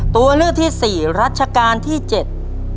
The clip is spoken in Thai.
ตัวเลือกที่สี่รัชกาลที่เจ็ด